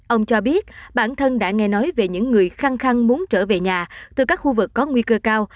ông cho biết bản thân đã nghe nói về những người khăng khăn muốn trở về nhà từ các khu vực có nguy cơ cao